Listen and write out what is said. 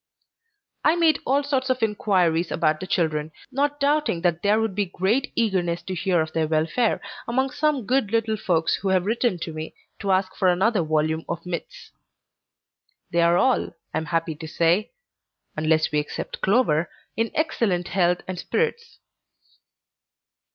I made all sorts of inquiries about the children, not doubting that there would be great eagerness to hear of their welfare, among some good little folks who have written to me, to ask for another volume of myths. They are all, I am happy to say (unless we except Clover), in excellent health and spirits.